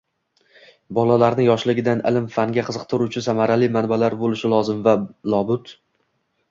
Bolalarni yoshligidan ilm-fanga qiziqtiruvchi samarali manbalar bo‘lishi lozim va lobud